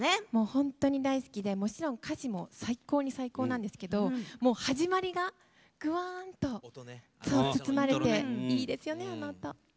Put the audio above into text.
本当に大好きでもちろん歌詞も最高に最高なんですけど始まりが、ぐわーんと包まれていいですよね、あの音。